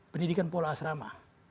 pendidikan pola asrama